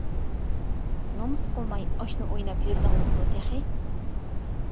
نومۇس قىلماي ئاشنا ئويناپ يۈردىڭىزمۇ تېخى؟ !